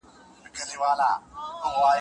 کډواله مرغۍ